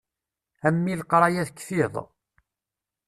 A mmi leqraya tekfiḍ.